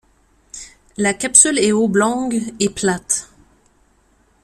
La capsule est oblongue et plates.